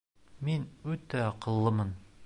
Мин үтә аҡыллымын.